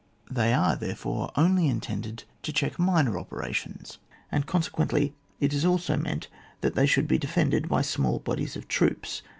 They are, therefore, only intended to check minor operations, and consequently it is also meant that they should be de fended by small bodies of troops.